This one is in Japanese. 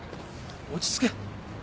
落ち着け。